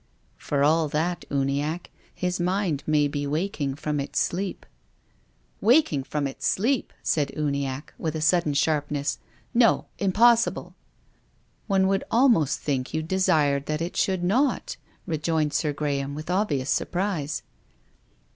" For all that, Uniacke, his mind may be wak ing from its sleej^ " Waking from its sleep !" said Uniacke, with a sudden sharpness. " No — impossible !"" One would almost think you desired that it should not," rejoined Sir Graham, with obvious surprise.